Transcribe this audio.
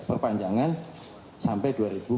perpanjangan sampai dua ribu empat puluh satu